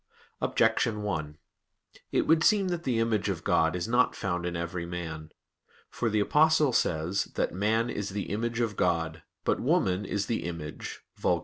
Objection 1: It would seem that the image of God is not found in every man. For the Apostle says that "man is the image of God, but woman is the image [Vulg.